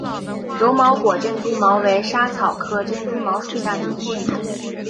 柔毛果珍珠茅为莎草科珍珠茅属下的一个变种。